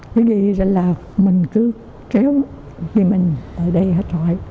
vậy thì là mình cứ kéo vì mình ở đây hết rồi